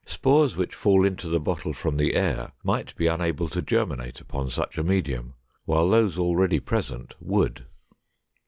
Spores which fall into the bottle from the air might be unable to germinate upon such a medium, while those already present would.